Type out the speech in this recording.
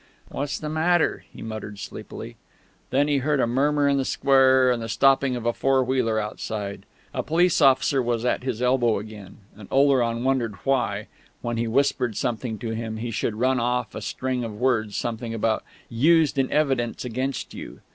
"What's the matter?" he muttered sleepily.... Then he heard a murmur in the square, and the stopping of a four wheeler outside. A police officer was at his elbow again, and Oleron wondered why, when he whispered something to him, he should run off a string of words something about "used in evidence against you."